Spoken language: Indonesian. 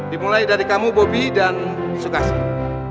dimulai dari kamu bobi dan sukasih